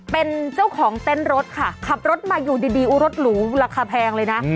เป็นเจ้าของเต็นต์รถค่ะขับรถมาอยู่ดีรถหรูราคาแพงเลยนะ